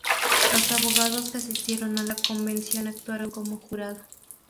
Los abogados que asistieron a la convención actuaron como jurado.